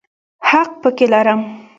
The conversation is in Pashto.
حق پکې لرم.